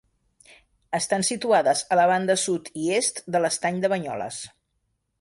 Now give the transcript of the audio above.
Estan situades a la banda sud i est de l’Estany de Banyoles.